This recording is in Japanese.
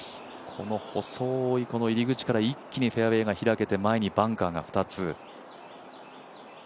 この細い入り口から一気にフェアウエーが開けて前にバンカーが２つ。